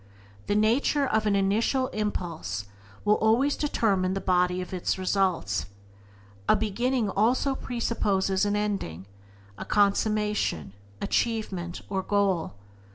The nature of an initial impulse will always determine the body of its results. A beginning also presupposes an ending, a consummation, achievement, or goal.